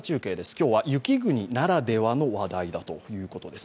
今日は雪国ならではの話題だそうです。